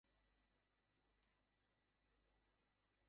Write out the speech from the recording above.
মেয়েমানুষের পক্ষে এরূপ নিরাসক্ত ভাব তো ভালো নয়।